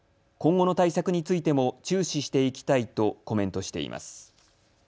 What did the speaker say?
今後の対策についても注視していきたいとコメントしています。